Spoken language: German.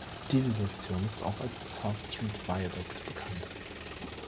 Diese Sektion ist auch als South Street Viaduct bekannt.